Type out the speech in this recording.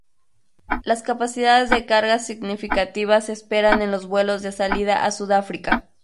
Las capacidades de carga significativas se esperan en los vuelos de salida a Sudáfrica.